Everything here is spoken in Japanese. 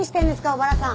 小原さん。